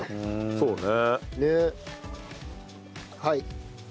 そうね。